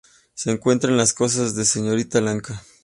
Se encuentran en las costas de Sri Lanka.